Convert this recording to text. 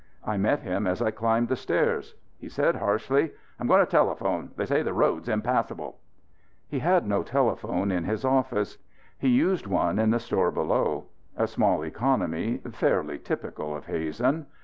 I met him as I climbed the stairs. He said harshly: "I'm going to telephone. They say the road's impassable." He had no telephone in his office; he used one in the store below. A small economy fairly typical of Hazen.